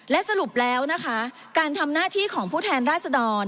และสรุปแล้วนะคะการทำหน้าที่ของผู้แทนราชดร